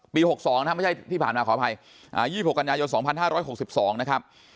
ปี๖๒ไม่ใช่ที่ผ่านมาขออภัย๒๖กย๒๕๖๒นะครับ